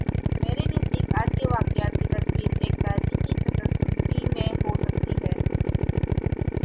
میرے نزدیک آج کے واقعات کی تعبیر ایک تاریخی تسلسل ہی میں ہو سکتی ہے۔